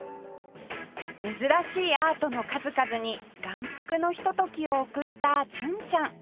珍しいアートの数々に眼福のひとときを送った純ちゃん